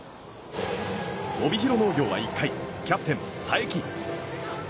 帯広農業は１回、キャプテン佐伯。